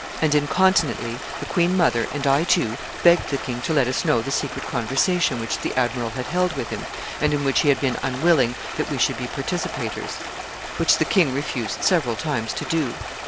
And incontinently the queen mother (and I too) begged the king to let us know the secret conversation which the admiral had held with him, and in which he had been unwilling that we should be participators; which the king refused several times to do.